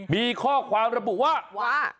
มีข้อความระบุว่า